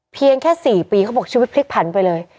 เพียงแค่๔ปีเขาบอกชีวิตพลิกผันไปเลย